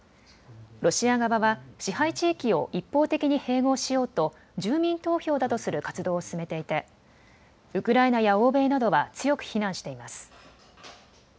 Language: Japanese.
ロシア側は支配地域を一方的に併合しようと住民投票だとする活動を進めていてウクライナや欧米などは強く非難しています。